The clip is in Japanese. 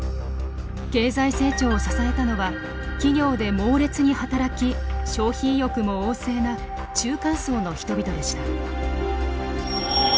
経済成長を支えたのは企業で猛烈に働き消費意欲も旺盛な中間層の人々でした。